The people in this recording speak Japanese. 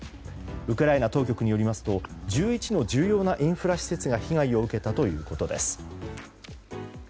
ウクライナ当局によりますと１１の重要なインフラ施設が被害を受けたということです。